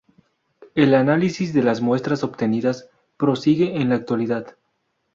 El análisis de las muestras obtenidas prosigue en la actualidad.